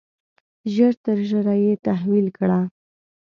ژر تر ژره یې تحویل کړه.